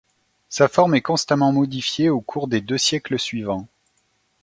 Sa forme est constamment modifiée au cours des deux siècles suivants.